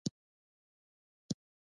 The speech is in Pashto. جوار پاکي کې سړی له گوتو خلاصوي.